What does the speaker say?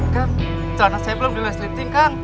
kang celana saya belum direslifting kang